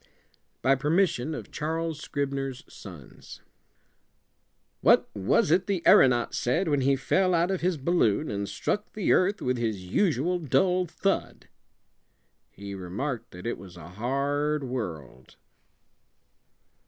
By permission of Charles Scribner's Sons "What was it the aeronaut said when he fell out of his balloon and struck the earth with his usual dull thud?" "He remarked that it was a hard world."